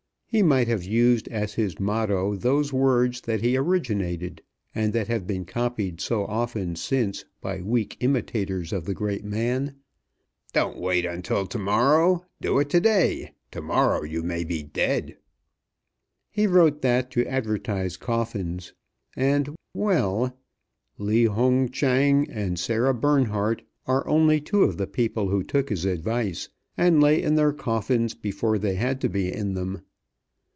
He might have used as his motto those words that he originated, and that have been copied so often since by weak imitators of the great man: "Don't wait until to morrow; do it to day. Tomorrow you may be dead." He wrote that to advertise coffins, and well, Li Hung Chang and Sara Bernhardt are only two of the people who took his advice, and lay in their coffins before they had to be in them.